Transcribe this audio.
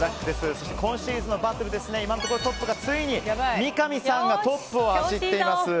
そして今シーズンのバトル今のところトップがついに三上さんがトップを走っています。